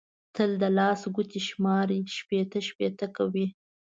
تل د لاس ګوتې شماري؛ شپېته شپېته کوي.